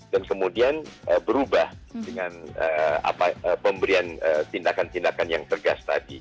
dan kemudian berubah dengan pemberian tindakan tindakan yang tegas tadi